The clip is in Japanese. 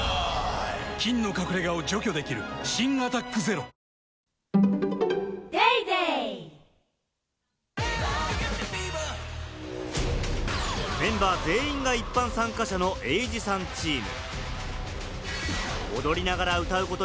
菌の隠れ家を除去できる新「アタックＺＥＲＯ」メンバー全員が一般参加者のエイジさんチーム。